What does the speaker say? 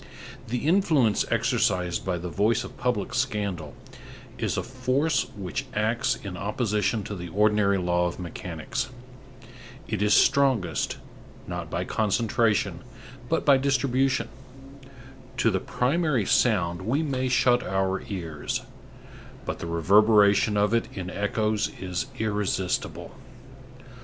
The influence exercised by the voice of public scandal is a force which acts in opposition to the ordinary law of mechanics. It is strongest, not by concentration, but by distribution. To the primary sound we may shut our ears; but the reverberation of it in echoes is irresistible.